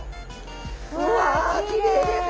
うわきれいですね！